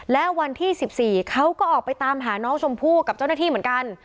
และวันที่๑๔เขาก็ออกไปตามหาน้องชมพู่กับเจ้าหน้าที่เหมือนกัน